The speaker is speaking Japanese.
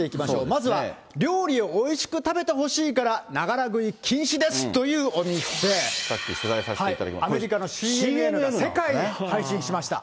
まずは料理をおいしく食べてほしいから、ながら食い禁止ですといさっき取材させていただきまアメリカのＣＮＮが世界に配信しました。